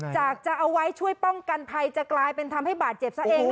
จะเอาไว้ช่วยป้องกันภัยจะกลายเป็นทำให้บาดเจ็บซะเอง